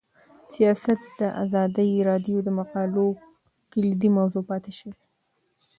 سیاست د ازادي راډیو د مقالو کلیدي موضوع پاتې شوی.